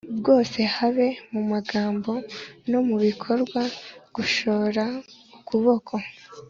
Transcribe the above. bwose haba mu magambo no mu bikorwa Gushora ukuboko